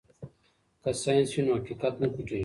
که ساینس وي نو حقیقت نه پټیږي.